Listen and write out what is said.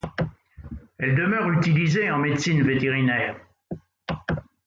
Elle demeure utilisée en médecine vétérinaire.